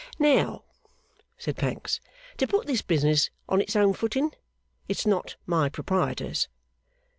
'Now,' said Pancks, 'to put this business on its own footing, it's not my proprietor's.